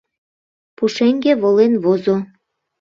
Пушеҥге волен возо.